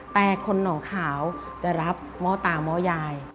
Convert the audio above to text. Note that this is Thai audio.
แต่คนหนองขาวจะรับหม้อตาม้อยาย